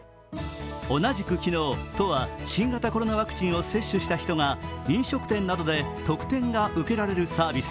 同じく昨日、都は新型コロナワクチンを接種した人が飲食店などで特典が受けられるサービス